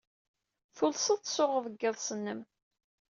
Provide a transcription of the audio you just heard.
Tulsed tsuɣed deg yiḍes-nnem.